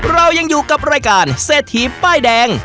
เรายังอยู่กับรายการเศรษฐีป้ายแดง